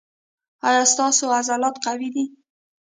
ایا ستاسو عضلات قوي دي؟